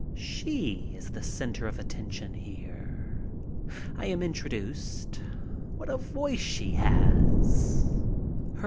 She is the center of attraction here. I am introduced. What a voice she has!